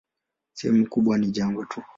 Sehemu kubwa ni jangwa tu.